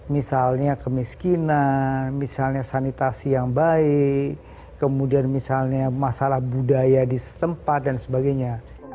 misalnya kemiskinan misalnya sanitasi yang baik kemudian misalnya masalah budaya di setempat dan sebagainya